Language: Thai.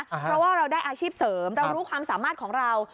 เพราะว่าเราได้อาชีพเสริมเรารู้ความสามารถของเรา